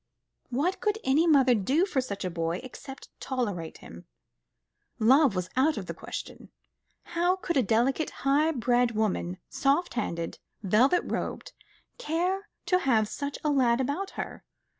What could any mother do for such a boy, except tolerate him? Love was out of the question. How could a delicate, high bred woman, soft handed, velvet robed, care to have such a lad about her?